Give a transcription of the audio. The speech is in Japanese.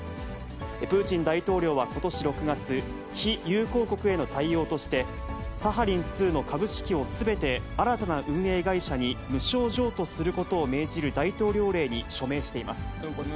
プーチン大統領はことし６月、非友好国への対応として、サハリン２の株式をすべて新たな運営会社に無償譲渡することを命じる大統領令に署名しています。